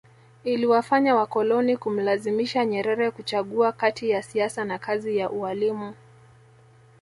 Iliwafanya wakoloni kumlazimisha Nyerere kuchagua kati ya siasa na kazi ya ualimu